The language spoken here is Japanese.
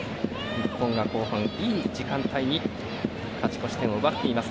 日本が後半いい時間帯に勝ち越し点を奪っています